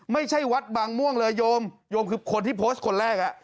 ไม่ใช่วัดบางม่วงเลยโยมโยมคือคนที่โพสต์คนแรกอ่ะ